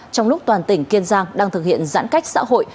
trong lúc toàn tỉnh kiên giang đang thực hiện giãn cách xã hội